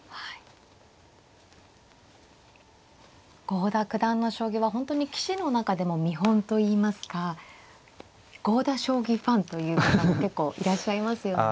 郷田九段の将棋は本当に棋士の中でも見本といいますか郷田将棋ファンという方も結構いらっしゃいますよね。